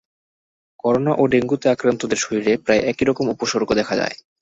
Corona ও ডেঙ্গুতে আক্রান্তদের শরীরে প্রায় একই রকম উপসর্গ দেখা যায়।